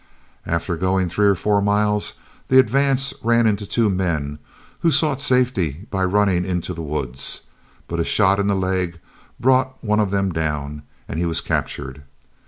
After going three or four miles, the advance ran into two men, who sought safety by running into the woods; but a shot in the leg brought one of them down, and he was captured.